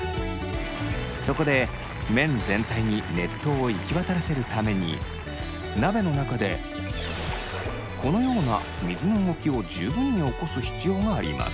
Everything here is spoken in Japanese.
そこで麺全体に熱湯を行き渡らせるために鍋の中でこのような水の動きを十分に起こす必要があります。